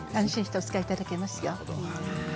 お使いいただけますよ。